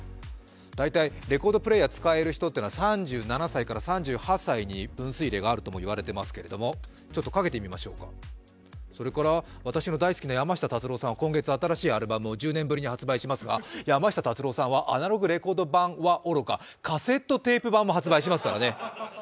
大体、レコードプレーヤー使える人は、３７歳から３８歳に分水れいがあるとも入れていますけど、私の大好きな山下達郎さんは今月新しいアルバムを１０年ぶりに発売されますが山下達郎さんはアナログレコード盤はおろか、カセットテープ盤も発売しますからね。